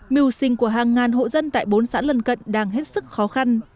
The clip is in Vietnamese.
mưu sinh của hàng ngàn hộ dân tại bốn xã lân cận đang hết sức khó khăn